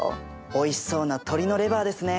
おいしそうな鶏のレバーですね。